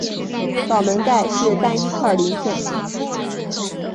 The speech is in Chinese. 肛门盖是单一块鳞片。